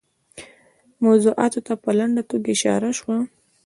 موضوعاتو ته په لنډه توګه اشاره شوه.